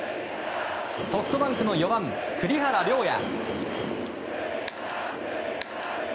ソフトバンクの４番、栗原陵矢。